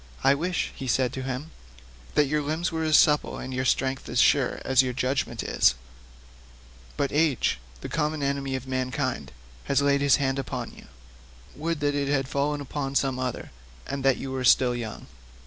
"I wish," he said to him, "that your limbs were as supple and your strength as sure as your judgment is; but age, the common enemy of mankind, has laid his hand upon you; would that it had fallen upon some other, and that you were still young."